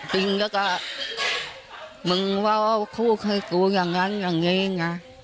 ถริงแล้วก็มึงว่าคู่ที่สูงอย่างงั้นอย่างนี้เนอะ